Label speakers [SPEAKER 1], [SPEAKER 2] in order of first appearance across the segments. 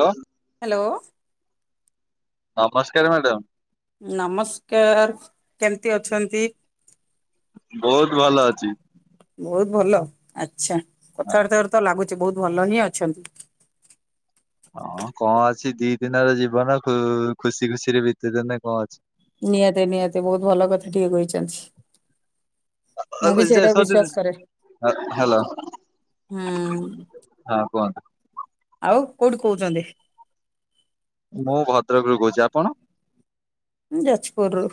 [SPEAKER 1] Hello
[SPEAKER 2] hello.
[SPEAKER 1] ନମସ୍କାର madam.
[SPEAKER 2] ନମସ୍କାର। କେମତି ଅଛନ୍ତି?
[SPEAKER 1] ବହୁତ ଭଲ ଅଛି।
[SPEAKER 2] ବହୁତ ଭଲ? ଆଚ୍ଛା।
[SPEAKER 1] ହଁ
[SPEAKER 2] କଥାବାର୍ତ୍ତାରୁ ତ ଲାଗୁଛି ବହୁତ ଭଲ ହିଁ ଅଛନ୍ତି।
[SPEAKER 1] ହଁ, କଣ ଅଛି, ଦି ଦିନର ଜୀବନ ଖୁ-ଖୁସି ଖୁସିରେ ବିତେଇଦେନେ କଣ ଅଛି।
[SPEAKER 2] ନିହାତି ନିହାତି, ବହୁତ ଭଲ କଥାଟିଏ କହିଛନ୍ତି। ମୁଁ ବି ସେଇଟାକୁ ବିଶ୍ଵାସ କରେ।
[SPEAKER 1] ହ୍ୟାଲୋ
[SPEAKER 2] ହୁଁ।
[SPEAKER 1] ହଁ, କୁହନ୍ତୁ।
[SPEAKER 2] ଆଉ କୋଉଠୁ କହୁଛନ୍ତି?
[SPEAKER 1] ମୁଁ ଭଦ୍ରକରୁ କହୁଛି। ଆପଣ?
[SPEAKER 2] ମୁଁ ଯାଜପୁରରୁ।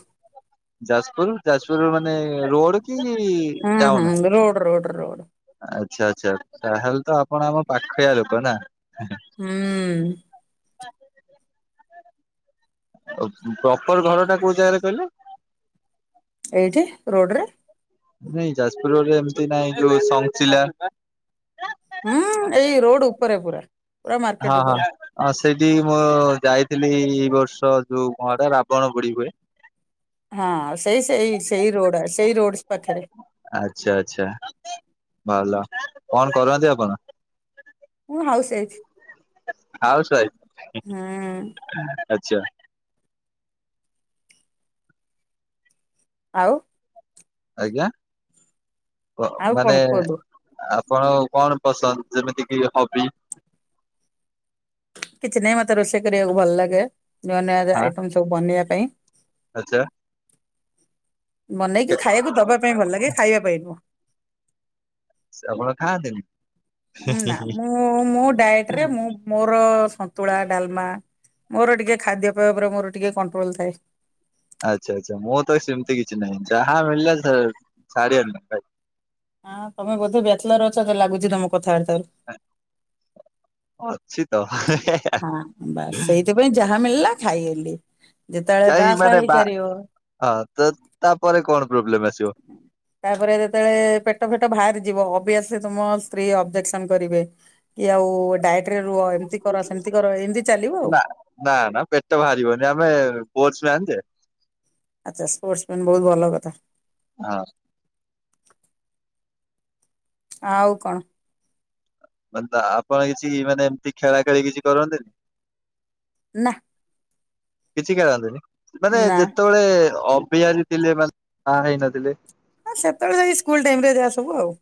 [SPEAKER 1] ଯାଜପୁର, ଯାଜପୁର ମାନେ ରୋଡ କି
[SPEAKER 2] ହୁଁ ହୁଁ
[SPEAKER 1] ଟାଉନ?
[SPEAKER 2] Road, road. ରୋଡ଼।
[SPEAKER 1] ଆଚ୍ଛା, ଆଚ୍ଛା। ତାହେଲେ ତ ଆପଣ ଆମ ପାଖିଆ ଲୋକ ନା?
[SPEAKER 2] ହୁଁ ହୁଁ।
[SPEAKER 1] ଆଉ ପ୍ରପର୍ ଘରଟା କୋଉ ଜାଗାରେ କହିଲେ?
[SPEAKER 2] ଏଇଠି, ରୋଡରେ।
[SPEAKER 1] ନାଇଁ, ଯାଜପୁର ରୋଡ଼ରେ ଏମତି ନାଇଁ ଯୋଉ ସଙ୍ଗଚିଲା?
[SPEAKER 2] ହୁଁ, ଏଇ ରୋଡ ଉପରେ ପୁରା। ପୁରା ମାର୍କେଟ
[SPEAKER 1] ହଁ ହଁ।
[SPEAKER 2] ଉପରେ
[SPEAKER 1] ହଁ, ସେଇଠିକି ମୁଁ ଯାଇଥିଲି ଏଇ ବର୍ଷ ଯୋଉ କଣ ଏଟା ରାବଣ ପୋଡ଼ି ହୁଏ।
[SPEAKER 2] ହଁ। ସେଇ, ସେଇ, ସେଇ, ରୋଡ ସେଇ ରୋଡ୍ସ ପାଖରେ।
[SPEAKER 1] ଆଚ୍ଛା, ଆଚ୍ଛା, ଭଲ। କଣ କରନ୍ତି ଆପଣ?
[SPEAKER 2] ମୁଁ ହାଉସ ହେଇଛି।
[SPEAKER 1] House wife?
[SPEAKER 2] ହୁଁ
[SPEAKER 1] ଆଚ୍ଛା।
[SPEAKER 2] ଆଉ
[SPEAKER 1] ଆଜ୍ଞା? କ
[SPEAKER 2] ଆଉ କଣ
[SPEAKER 1] ମାନେ
[SPEAKER 2] କୁହନ୍ତୁ?
[SPEAKER 1] ଆପଣଙ୍କ କଣ ପସନ୍ଦ? ଯେମିତିକି ହବି
[SPEAKER 2] କିଛି ନାହିଁ, ମତେ ରୋଷେଇ କରିବାକୁ ଭଲ ଲାଗେ, ନୂଆ ନୂଆ
[SPEAKER 1] ହଁ
[SPEAKER 2] ଆଇଟମ ସବୁ ବନେଇବା ପାଇଁ।
[SPEAKER 1] ଆଚ୍ଛା।
[SPEAKER 2] ବନେଇକି ଖାଇବାକୁ ଦବା ପାଇଁ ଭଲ ଲାଗେ, ଖାଇବା ପାଇଁ ନୁହଁ।
[SPEAKER 1] ସେ ଆପଣ ଖାଆନ୍ତିନି?
[SPEAKER 2] ଉମ୍ ନା। ମୁଁ ମୋ ଡାଏଟରେ, ମୁଁ ମୋର ସନ୍ତୁଳା, ଡାଲମା। ମୋର ଟିକେ ଖାଦ୍ୟପେୟ ଉପରେ ମୋର ଟିକେ କଣ୍ଟ୍ରୋଲ ଥାଏ।
[SPEAKER 1] ଆଚ୍ଛା ଆଚ୍ଛା। ମୋର ତ ସେମତି କିଛି ନାହିଁ, ଯାହା ମିଳିଲା ଛା-ଛାଡ଼ିବାର ନାହିଁ।
[SPEAKER 2] ତମେ ବୋଧେ ବେଚଲର ଅଛ ତ ଲାଗୁଛି ତମ କଥାବାର୍ତ୍ତାାରୁ।
[SPEAKER 1] ଅଛି ତ ହେ ହେ।
[SPEAKER 2] ହଁ ବାସ୍ ସେଇଥିପାଇଁ ଯାହା ମିଳିଲା ଖାଇଗଲି। ଯେତେବେଳେ
[SPEAKER 1] କାହିଁକି
[SPEAKER 2] ବାସା
[SPEAKER 1] ମାନେ
[SPEAKER 2] ହେଇ
[SPEAKER 1] ବା
[SPEAKER 2] ସାରିବ
[SPEAKER 1] ହଁ ତ ତାପରେ କଣ ପ୍ରୋବ୍ଲେମ୍ ଆସିବ?
[SPEAKER 2] ତାପରେ ଯେତେବେଳେ ପେଟ ଫେଟ ବାହାରିଯିବ ଅସ ତମ ସ୍ତ୍ରୀ ଅବଜେକ୍ସନ କରିବେ। କି ଆଉ ଡାଏଟ ରେ ରୁହ ଏମିତି କର ସେମିତି କର ଏମିତି ଚାଲିବ ଆଉ।
[SPEAKER 1] ନା ନା ନା ପେଟ ବାହାରିବନି ଆମେ ଯେ
[SPEAKER 2] ଆଚ୍ଛା ସ୍ପୋର୍ଟସମ୍ୟାନ୍ ବହୁତ ଭଲ କଥା।
[SPEAKER 1] ହଁ
[SPEAKER 2] ଆଉ କଣ?
[SPEAKER 1] ମତ ଆପଣ କିଛି ମାନେ ଏମିତି ଖେଳା ଖେଳି କିଛି କରନ୍ତିନି?
[SPEAKER 2] ନା
[SPEAKER 1] କିଛି କରାନ୍ତିନି ମାନେ
[SPEAKER 2] ନା
[SPEAKER 1] ଯେତେବେଳେ ଅବିହାରି ବାହା ହେଇନଥିଲେ?
[SPEAKER 2] ନା ସେତେବେଳେ ଯାଇ ସ୍କୁଲ ଟାଇମ ରେ ଯାହା ସବୁ ଆଉ।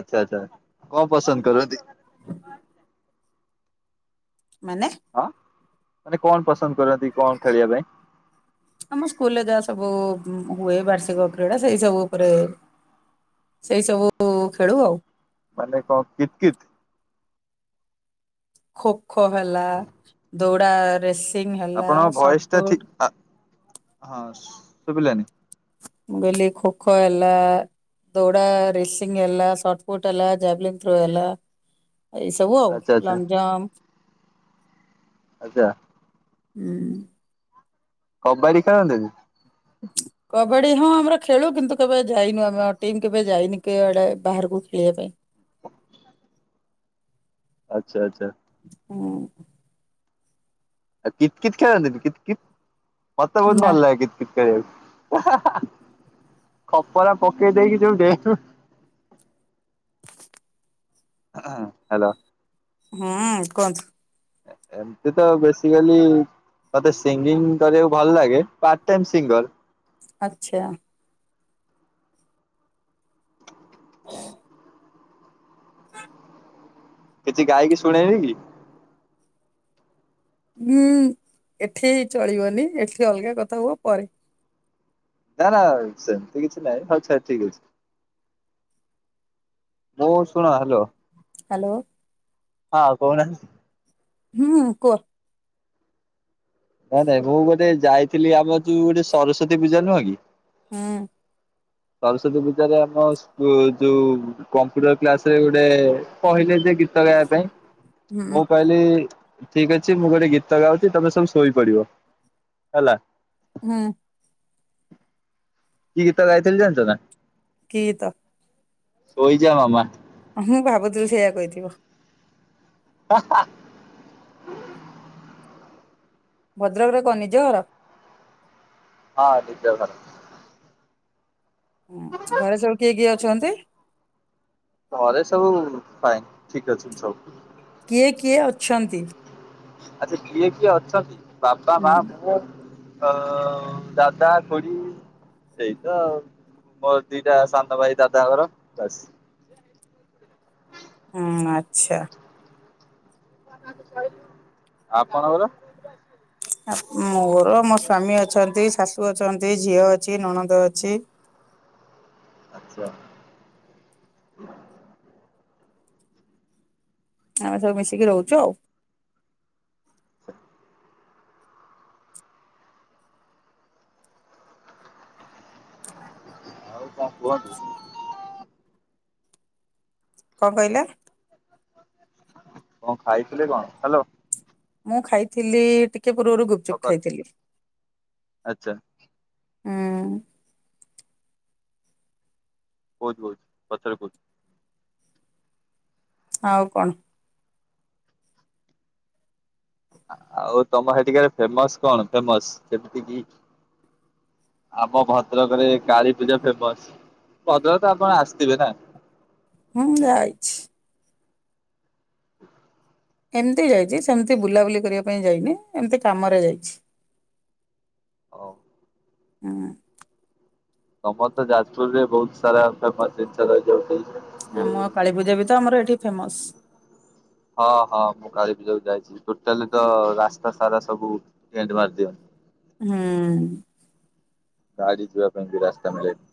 [SPEAKER 1] ଆଚ୍ଛା ଆଚ୍ଛା କଣ ପସନ୍ଦ କରନ୍ତି?
[SPEAKER 2] [unintelligible] ମାନେ?
[SPEAKER 1] ହଁ ମାନେ କଣ ପସନ୍ଦ କରନ୍ତି କଣ ଖେଳିବା ପାଇଁ?
[SPEAKER 2] ଆମ ସ୍କୁଲରେ ଯାହା ସବୁ ହୁଏ ବାର୍ଷିକ କ୍ରୀଡା ସେଇ ସବୁ ଉପରେ ସେଇ ସବୁ ଖେଳୁ ଆଉ।
[SPEAKER 1] ମାନେ କ କିତ୍ କିତ୍?
[SPEAKER 2] ଖୋ ଖୋ ହେଲା ଦୌଡା ରେସ୍
[SPEAKER 1] ଆପଣଙ୍କ ଭଏସ ଟା ଠିକ୍ ଆ ହଁ ଶୁଭିଲାନି?
[SPEAKER 2] ମୁଁ କହିଲି ଖୋଖୋ ହେଲା ଦୌଡ଼ା ରେସିଂ ହେଲା, ସାର୍ଟ ଫୋଟ ହେଲା, ଜାାବଲିଂ ଥ୍ରୋ ଏଲା ଏଇ ସବୁ ଆଉ।
[SPEAKER 1] ଆଚ୍ଛା ଆଚ୍ଛା
[SPEAKER 2] ଲଙ୍ଗ ଜମ୍ପ
[SPEAKER 1] ଆଜ୍ଛା
[SPEAKER 2] ଉଂ
[SPEAKER 1] କବାଡ଼ି ଖେଳନ୍ତି ନି?
[SPEAKER 2] କବାଡି ହଁ ଆମର ଖେଳୁ କିନ୍ତୁ କେବେ ଯାଇନୁ ଆମେ ଟିମ୍ କେବେ ଯାଇନି କେଆଡେ ବାହାରକୁ ଖେଳିବା ପାଇଁ।
[SPEAKER 1] ଆଚ୍ଛା ଆଚ୍ଛା।
[SPEAKER 2] ହୁଁ
[SPEAKER 1] ଆଉ କିତ୍ କିତ୍ ଖେଳନ୍ତିନି କିତ୍ କିତ୍ ମତେ ବହୁତ
[SPEAKER 2] ନା।
[SPEAKER 1] ଭଲ ଲାଗେ କିତ [unintelligible] ଖପରା ପକେଇ ଦେଇକି ଯୋଉ ଦେ। [unintelligible] ହ ହ୍ୟାଲୋ
[SPEAKER 2] ହୁଁ କୁହନ୍ତୁ
[SPEAKER 1] ଏମତି ତ ବେସିକାଲି ମତେ ସିଙ୍ଗିଙ୍ଗ କରିବାକୁ ଭଲ ଲାଗେ ପାର୍ ଟାଇ ସିଙ୍ଗର।
[SPEAKER 2] ଆଚ୍ଛା
[SPEAKER 1] କିଛି ଗାଇକି ଶୁଣେଇବି କି?
[SPEAKER 2] ହୁଁ ଏଠି ଚଳିବନି ଏଠି ଅଲଗା କଥା ହୁଅ ପରେ।
[SPEAKER 1] ନା ନା ସେମିତି କିଛି ନାଇଁ ଆଚ୍ଛା ଠିକ ଅଛି। ହୋ ଶୁଣ ହ୍ୟାଲୋ
[SPEAKER 2] ହ୍ୟାଲୋ
[SPEAKER 1] ହଁ କହୁନାହାନ୍ତି?
[SPEAKER 2] ହୁଁ କୁହ
[SPEAKER 1] ନାଇଁ ନାଇଁ ମୁଁ ଗୋଟେ ଯାଇଥିଲି ଆମ ଯୋଉ ଗୋଟେ ସରସ୍ଵତୀ ପୂଜା ନୁହଁ କି?
[SPEAKER 2] ହଁ
[SPEAKER 1] ସରସ୍ଵତୀ ପୂଜାରେ ଆମ ଯୋଉ କମ୍ପ୍ୟୁଟର କ୍ଲାସ ରେ ଗୋଟେ କହିଲେ ଯେ ଗୀ ଗୀତ ଗାଇବା ପାଇଁ
[SPEAKER 2] ହୁଁ
[SPEAKER 1] ମୁପା ଇଲି ଠିକ୍ ଅଛି ମୁଁ ଗୋଟେ ଗୀତ ଗାଉଛି ତମେ ସବୁ ଶୋଇପଡ଼ିବ ହେଲା।
[SPEAKER 2] ହୁଁ।
[SPEAKER 1] କି ଗୀତ ଗାଇଥିଲି ଜାଣିଚ ନା?
[SPEAKER 2] କି ଗୀତ?
[SPEAKER 1] ଶୋଇଯା ମାମା।
[SPEAKER 2] ହୁ ମୁଁ ଭାବୁଥିଲି ସେଇୟା କହିଥିବ।
[SPEAKER 1] ହା ହା।
[SPEAKER 2] ଭଦ୍ରକରେ କଣ ନିଜ ଘର?
[SPEAKER 1] ହଁ ନିଜ ଘର।
[SPEAKER 2] ହୁଁ ଘରେ ସବୁ କିଏ କିଏ ଅଛନ୍ତି?
[SPEAKER 1] ଘରେ ସବୁ ଫାଇନ୍ ଠିକ୍ ଅଛନ୍ତି ସବୁ।
[SPEAKER 2] କିଏ କିଏ ଅଛନ୍ତି?
[SPEAKER 1] ଆଚ୍ଛା କିଏ କିଏ ଅଛନ୍ତି ବାପା, ମା,
[SPEAKER 2] ହୁଁ।
[SPEAKER 1] ମୁ। ଅ ଦାଦା, ଖୁଡ଼ି। ସେଇତ ମୋର ଦିଟା ସାନ ଭାଇ ଦାଦାଙ୍କର ବାସ୍।
[SPEAKER 2] ହୁଁ ଆଚ୍ଛା।
[SPEAKER 1] ଆପଣଙ୍କର?
[SPEAKER 2] ମୋର ମୋ ସ୍ଵାମୀ ଅଛନ୍ତି ଶାଶୁ ଅଛନ୍ତି ଝିଅ ଅଛି ନଣନ୍ଦ ଅଛି।
[SPEAKER 1] ଆଚ୍ଛା।
[SPEAKER 2] ଆମେ ସବୁ ମିଶିକି ରହୁଛୁ ଆଉ।
[SPEAKER 1] [inaudible]
[SPEAKER 2] [inaudible]
[SPEAKER 1] ଆଉ କଣ କୁହନ୍ତୁ?
[SPEAKER 2] କଣ କହିଲେ?
[SPEAKER 1] କଣ ଖାଇଥିଲେ କଣ ହାଲୋ।
[SPEAKER 2] ମୁଁ ଖାଇଥିଲି ଟିକେ ପୂର୍ବରୁ ଗୁପଚୁପ୍
[SPEAKER 1] ସକାଳେ
[SPEAKER 2] ଖାଇଥିଲି।
[SPEAKER 1] ଆଚ୍ଛା
[SPEAKER 2] ହୁଁ।
[SPEAKER 1] ବହୁତ୍ ବହୁତ୍ ପଥରକୁ
[SPEAKER 2] ଆଉ କଣ?
[SPEAKER 1] ଆଉ ତମ ହେଟିକାର ଫେମସ୍ କଣ ଫେମସ୍ ଯେମିତିକି ଆମ ଭଦ୍ରକରେ କାଳୀପୂଜା ଫେମସ୍ ଭଦ୍ରକତ ଆପଣ ଆସିଥିବେ ନା।
[SPEAKER 2] ହୁଁ ଯାଇଚି। ଏମିତି ଯାଇଚି ସେମିତି ବୁଲାବୁଲି କରିବା ପାଇଁ ଯାଇନି ଏମିତି କାମରେ ଯାଇଚି।
[SPEAKER 1] ଓ।
[SPEAKER 2] ହୁଁ।
[SPEAKER 1] ତମରତ ଯାଜପୁରରେ ବହୁତ୍ ସାରା ଫେମସ୍ [unintelligible] ରହିଛି।
[SPEAKER 2] ଆମ କାଳୀପୂଜାବି ତଆମର ଏଠି ଫେମସ୍।
[SPEAKER 1] ହଁ ହଁ ମୁଁ କାଳୀ ପୂଜାକୁ ଯାଇଛି ଟୋଟାଲିତ ରାସ୍ତା ସାରା ସବୁ ଟେଣ୍ଟେ ମାରି ଦିଅନ୍ତି।
[SPEAKER 2] ହୁଁ।
[SPEAKER 1] ଗାଡ଼ି ଯିବା ପାଇଁ ବି ରାସ୍ତା ମିଳେନି।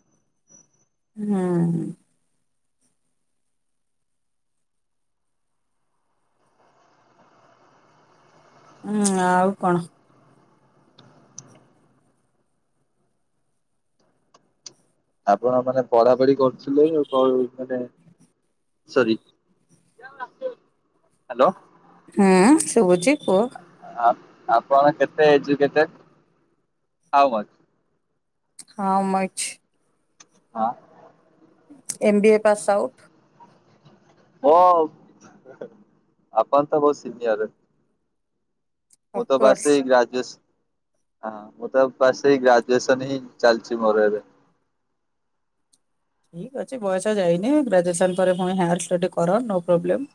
[SPEAKER 2] ହୁଁ। ଉଁ ଆଉ କଣ।
[SPEAKER 1] ଆପଣ ମାନେ ପଢାପଢି କରୁଥିଲେ କରୁ ମାନେ ସରି ହାଲୋ।
[SPEAKER 2] ହୁଁ ଶୁଭୁଚି କୁହ।
[SPEAKER 1] ଆ ଆପଣ କେତେ ଏଜୁକେଟଡ୍ ହାଓମଚ୍।
[SPEAKER 2] [unintelligible]
[SPEAKER 1] ହଁ।
[SPEAKER 2] M B A pass out.
[SPEAKER 1] [unintelligible] ଆପଣ ତ ମୋ ସିନିୟର। ମୁଁ ତ ବାସ୍
[SPEAKER 2] ଅଫକୋର୍ସ।
[SPEAKER 1] ଏଇ ଗ୍ରାଜୁଏସ୍ ହଁ ମୁଁ ତ ବାସ୍ ଏଇ ଗ୍ରାଜୁଏସନ୍ ହିଁ ଚାଲିଚି ମୋର ଏବେ।
[SPEAKER 2] ଠିକ୍ ଅଛି ବୟସ ଯାଇନି। ଗ୍ରାଜୁଏସନ୍ ପରେ ପୁଣି ହାୟାର ଷ୍ଟଡି କର ନୋ ପ୍ରୋବ୍ଲେମ୍।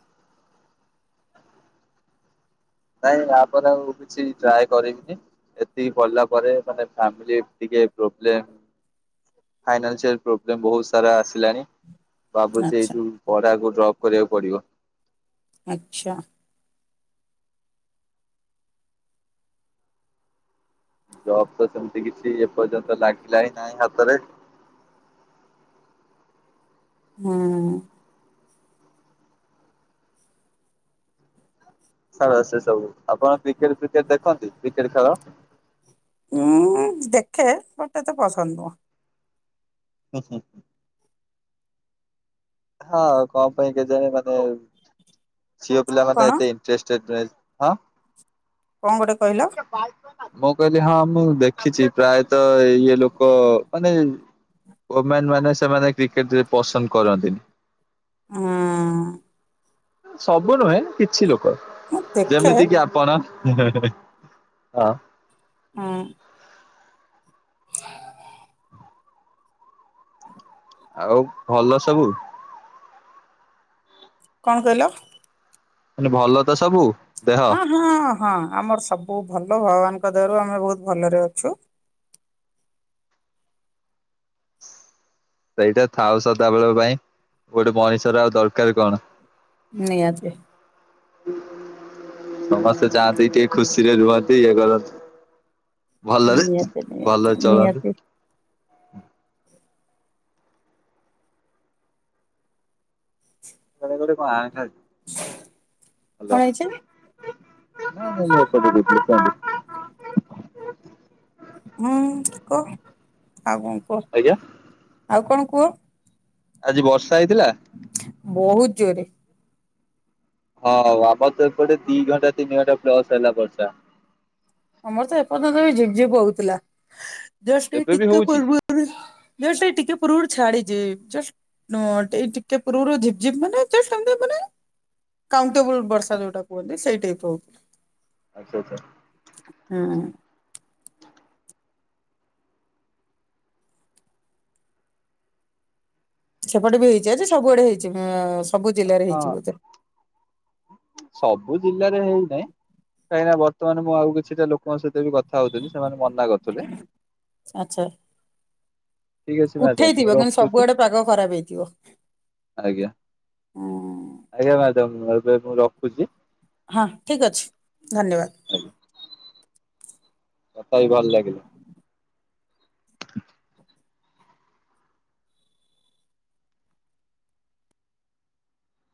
[SPEAKER 1] ନାଇଁ ଆ ପରେ ଆଉ କିଛି ଟ୍ରାଏ କରିବିନି। ଏତିକି ପଢ଼ିଲା ପରେ ମାନେ ଫ୍ୟାମିଲି ଟିକେ ପ୍ରୋବ୍ଲେମ୍ ଫାଇନାନ୍ସିଆଲ୍ ପ୍ରୋବ୍ଲେମ୍ ବହୁତ୍ ସାରା ଆସିଲାଣି। ଭାବୁଚି
[SPEAKER 2] ଆଚ୍ଛା।
[SPEAKER 1] ଏଇଠୁ ପଢାକୁ ଡ୍ରପ୍ କରିବାକୁ ପଡିବ।
[SPEAKER 2] ଆଚ୍ଛା।
[SPEAKER 1] ଜବ୍ ତ ସେମିତି କିଛି ଏପର୍ଯ୍ୟନ୍ତ ଲାଗିଲା ହିଁ ନାହିଁ ହାତରେ।
[SPEAKER 2] ହୁଁ।
[SPEAKER 1] ଛାଡନ୍ତୁ ସେ ସବୁ। ଆପଣ କ୍ରିକେଟ୍ ଫ୍ରିକେଟ୍ ଦେଖନ୍ତି କ୍ରିକେଟ୍ ଖେଳ?
[SPEAKER 2] ଉଁ ଦେଖେ। ବଟ୍ ଏତେ ପସନ୍ଦ ନୁହଁ।
[SPEAKER 1] [unintelligible] ହଁ କଣ ପାଇଁ କେଜାଣି ମାନେ ଝିଅ
[SPEAKER 2] କଣ
[SPEAKER 1] ପିଲାମାନେ ଏତେ [unintelligible] ହଁ।
[SPEAKER 2] କଣ ଗୋଟେ କହିଲ?
[SPEAKER 1] ମୁଁ କହିଲି ହଁ ମୁଁ ଦେଖିଚି, ପ୍ରାୟତଃ ଇଏ ଲୋକ ମାନେ ଓମେନ ମାନେ ସେମାନେ କ୍ରିକେଟ୍ ରେ ପସନ୍ଦ କରନ୍ତିନି।
[SPEAKER 2] ହୁଁ।
[SPEAKER 1] ସବୁ ନୁହେଁ କିଛି ଲୋକ।
[SPEAKER 2] ମୁଁ ଦେଖେ
[SPEAKER 1] ଯେମିତି କି ଆ ପଣ। ହଁ।
[SPEAKER 2] ହୁଁ।
[SPEAKER 1] ଆଉ ଭଲ ସବୁ?
[SPEAKER 2] କଣ କହିଲ?
[SPEAKER 1] କହିଲି ଭଲ ତ ସବୁ? ଦେହ
[SPEAKER 2] ହଁ ହଁ ହଁ। ଆମର ସବୁ ଭଲ, ଭଗବାନଙ୍କ ଦୟାରୁ ଆମେ ବହୁତ ଭଲରେ ଅଛୁ।
[SPEAKER 1] ସେଇଟା ଥାଉ ସଦାବେଳ ପାଇଁ। ଗୋଟେ ମଣିଷ ର ଆଉ ଦରକାର କଣ।
[SPEAKER 2] ନିହାତି।
[SPEAKER 1] [inaudible] ସମସ୍ତେ ଚାହାନ୍ତି ଟିକେ ଖୁସିରେ ରୁହନ୍ତି ଇଏ କରନ୍ତି। ଭଲରେ
[SPEAKER 2] ନିହାତି ନିହାତି
[SPEAKER 1] ଭଲରେ ଚଳନ୍ତୁ।
[SPEAKER 2] ନିହାତି
[SPEAKER 1] [unintelligible]
[SPEAKER 2] କଣ ହେଇଛି?
[SPEAKER 1] ହାଲୋ। [unintelligible]
[SPEAKER 2] ହୁଁ କୁହ। ଆଉ କଣ କୁହ?
[SPEAKER 1] ଆଜ୍ଞା।
[SPEAKER 2] ଆଉ କଣ କୁହ?
[SPEAKER 1] ଆଜି ବର୍ଷା ହେଇଥିଲା?
[SPEAKER 2] ବହୁତ୍ ଜୋରେ।
[SPEAKER 1] ହଁ ଆମର ତ ଏପଟେ ଦି ଘଣ୍ଟା ତିନି ଘଣ୍ଟା ପ୍ଲସ ହେଲା ବର୍ଷା।
[SPEAKER 2] ଆମର ତ ଏପର୍ଯ୍ୟନ୍ତ ବି ଝିପ୍ ଝିପ୍ ହଉଥିଲା। ଜଷ୍ଟ ଏଇ
[SPEAKER 1] ଏବେ ବି
[SPEAKER 2] ଟିକେ
[SPEAKER 1] ହଉଛି
[SPEAKER 2] ପୂବ ରୁ ଜଷ୍ଟ ଏଇ ଟିକେ ପୂର୍ବରୁ ଛାଡିଚି। ଜଷ୍ଟ [unintelligible] ଏଇ ଟିକେ ପୂର୍ବରୁ ଝିପ୍ ଝିପ୍ ମାନେ ଜଷ୍ଟ [unintelligible] ମାନେ କାଉଣ୍ଟଟେବୁଲ୍ ବର୍ଷା ଯୋଉଟା କୁହନ୍ତି ସେଇ ଟାଇପ୍ ର।
[SPEAKER 1] ଆଚ୍ଛା ଆଚ୍ଛା।
[SPEAKER 2] ହଁ। ସେପଟେ ବି ହେଇଚି ହେଇଚି ସବୁଆଡେ ହେଇଚି। ହଁ ସବୁ ଜିଲ୍ଲାରେ
[SPEAKER 1] ହଁ
[SPEAKER 2] ହେଇଚି ବୋଧେ।
[SPEAKER 1] ସବୁ ଜିଲ୍ଲାରେ ହେଇନାଇଁ। କାହିଁକି ନା ବର୍ତ୍ତମାନ ମୁଁ ଆଉ କିଛିଟା ଲୋକଙ୍କ ସହିତ ବି କଥା ହଉଥିଲି, ସେମାନେ ମନା କରୁଥିଲେ।
[SPEAKER 2] ଆଚ୍ଛା।
[SPEAKER 1] ଠିକ ଅଛି ମ୍ୟାଡାମ ମୁଁ
[SPEAKER 2] ଉଠେଇଥିବ କିନ୍ତୁ
[SPEAKER 1] ରଖୁଛି।
[SPEAKER 2] ସବୁଆଡେ ପାଗ ଖରାପ ହେଇଥିବ
[SPEAKER 1] ଆଜ୍ଞା ଆଜ୍ଞା ମ୍ୟାଡାମ ଏବେ ମୁଁ ରଖୁଛି।
[SPEAKER 2] ହଁ ଠିକ ଅଛି ଧନ୍ୟବାଦ।
[SPEAKER 1] କଥା ହେଇ ଭଲ ଲାଗିଲା।